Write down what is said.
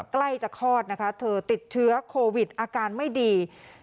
ใกล้จะคลอดนะคะเธอติดเชื้อโควิดอาการไม่ดี